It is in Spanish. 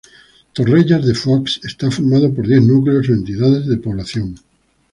Torrellas de Foix está formado por diez núcleos o entidades de población.